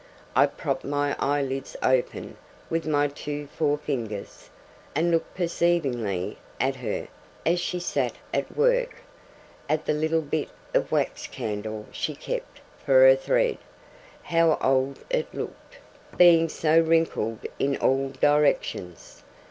I propped my eyelids open with my two forefingers, and looked perseveringly at her as she sat at work; at the little bit of wax candle she kept for her thread how old it looked, being so wrinkled in all directions!